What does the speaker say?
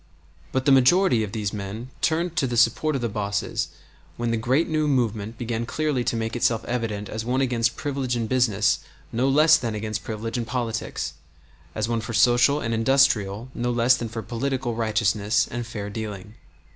But the majority of these men turned to the support of the bosses when the great new movement began clearly to make itself evident as one against privilege in business no less than against privilege in politics, as one for social and industrial no less than for political righteousness and fair dealing.